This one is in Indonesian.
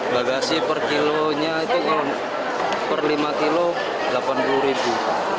bagasi per kilonya itu per lima kilo rp delapan puluh ribu